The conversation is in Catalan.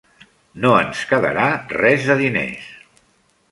No ens quedarà res de diners.